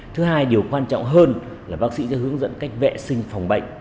thứ hai điều quan trọng hơn là bác sĩ sẽ hướng dẫn cách vệ sinh phòng bệnh